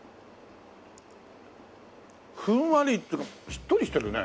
ふんわりっていうかしっとりしてるね。